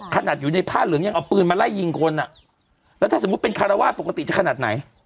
ขนาดอยู่ในผ้าเหลืองยังเอาปืนมาไล่ยิงคนอ่ะแล้วถ้าสมมุติเป็นคารวาสปกติจะขนาดไหน